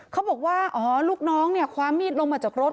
เขาบอกว่าอ๋อลูกน้องเนี่ยความมีดลงมาจากรถ